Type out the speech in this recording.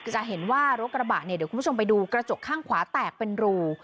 จะเห็นว่ารถกระบะเนี่ยเดี๋ยวคุณผู้ชมไปดูกระจกข้างขวาแตกเป็นรู